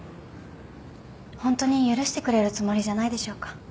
ホントに許してくれるつもりじゃないでしょうか？